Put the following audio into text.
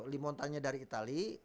limontanya dari itali